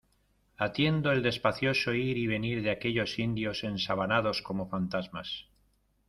atiendo el despacioso ir y venir de aquellos indios ensabanados como fantasmas